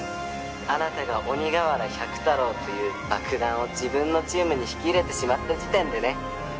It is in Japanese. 「あなたが鬼瓦百太郎という爆弾を自分のチームに引き入れてしまった時点でね」